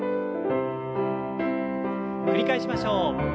繰り返しましょう。